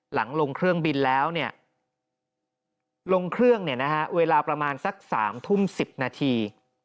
หลังลงเครื่องบินแล้วลงเครื่องเวลาประมาณสัก๓ทุ่ม๑๐นาที